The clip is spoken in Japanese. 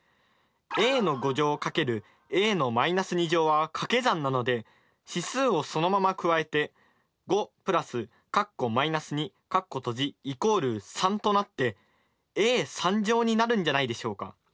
ａ×ａはかけ算なので指数をそのまま加えて５＋＝３となってａになるんじゃないでしょうか。